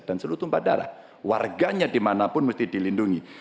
dan seluruh tumpah darah warganya dimanapun mesti dilindungi